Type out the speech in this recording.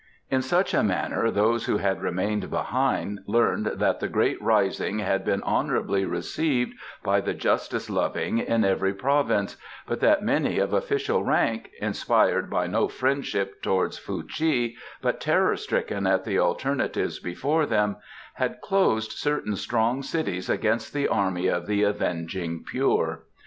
In such a manner those who had remained behind learned that the great rising had been honourably received by the justice loving in every province, but that many of official rank, inspired by no friendship towards Fuh chi, but terror stricken at the alternatives before them, had closed certain strong cities against the Army of the Avenging Pure.